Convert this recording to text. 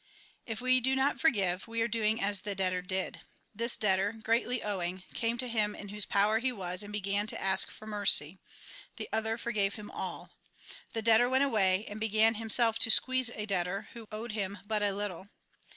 If we do not forgive, we are doing as the debtor did. This debtor, greatly owing, came to him in whose power he was, and began to ask for mercy. The other forgave him all. The debtor went away, and began himself to squeeze a debtor, who owed him but a little.